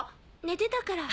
寝てたから。